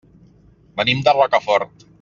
Venim de Rocafort.